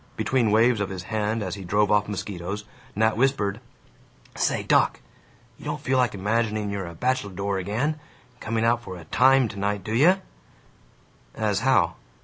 Between waves of his hand as he drove off mosquitos, Nat whispered, "Say, doc, you don't feel like imagining you're a bacheldore again, and coming out for a Time tonight, do you?" "As how?"